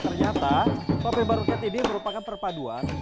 ternyata popeng barong cat ini merupakan perpaduan